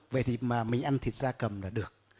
vậy thì mà mình ăn thịt da cầm là được